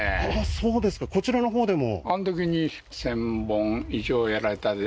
そうですかこちらのほうでも？